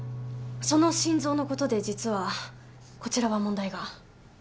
その心臓のことで実はこちらは問題が。